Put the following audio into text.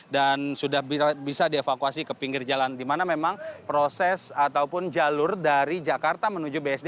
dan sudah bisa dievakuasi ke pinggir jalan di mana memang proses ataupun jalur dari jakarta menuju bsd